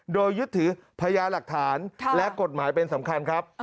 โดยยึดถือพญาหลักฐานและกฎหมายเป็นสำคัญครับ